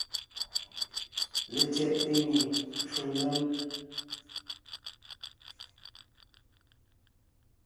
LetsyɛꞋte nyìŋ ncwò nzěm.